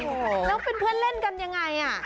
แล้วเป็นเพื่อนเล่นกันยังไง